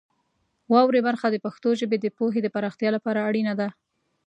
واورئ برخه د پښتو ژبې د پوهې د پراختیا لپاره اړینه ده.